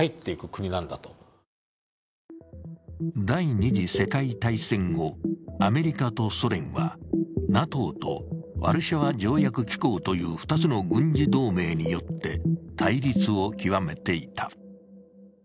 第二次世界大戦後、アメリカとソ連はＮＡＴＯとワルシャワ条約機構という２つの軍事同盟によって対立を究めていた。